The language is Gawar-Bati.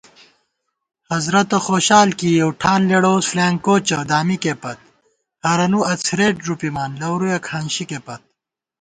حضرَتہ خوشال کېئیَؤ ٹھان لېڑَوُس فلائینگکوچہ دامِکےپت * ہرَنُو اڅَھرېت ݫُپِمان لَورُیَہ کھانشِکےپت